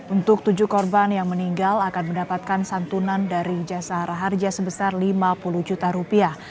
untuk tujuh korban yang meninggal akan mendapatkan santunan dari jasara harja sebesar lima puluh juta rupiah